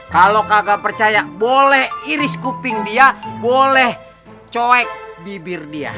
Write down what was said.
kalau kagak percaya boleh iris kuping dia boleh coek bibir dia